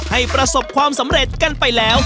ประสบความสำเร็จกันไปแล้ว